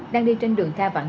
đang đi trên đường kha vạn cân